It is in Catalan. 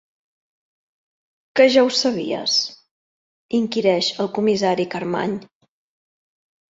Que ja ho sabies? —inquireix el comissari Carmany.